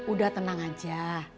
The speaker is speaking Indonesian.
udah tenang aja